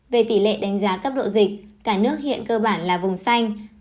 về tỷ lệ đánh giá cấp độ dịch cả nước hiện cơ bản là vùng xanh